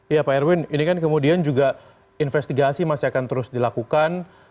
iya pak erwin ini kan kemudian juga investigasi masih akan terus dilakukan